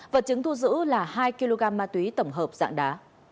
vật chứng thu giữ là hai kg ma túy tổng hợp dạng đá